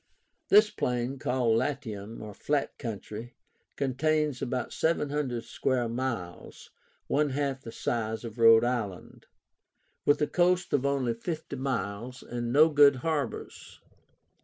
This plain, called LATIUM (flat country), contains about 700 square miles (one half the size of Rhode Island), with a coast of only fifty miles, and no good harbors.